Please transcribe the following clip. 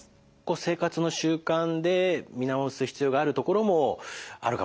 生活の習慣で見直す必要があるところもあるかもしれないですね。